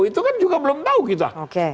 itu kan juga belum tahu kita